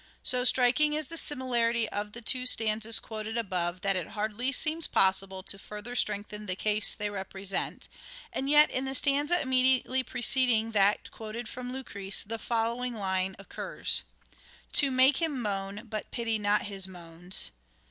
So striking is the similarity of the two stanzas quoted above tharit hardly seems possible to further strengthen the case they represent ; and yet, in the stanza immediately preceding that quoted from " Lucrece " the following line occurs : "To make him moan, but pity not his moans."